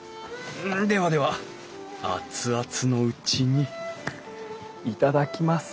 ではでは熱々のうちに頂きます。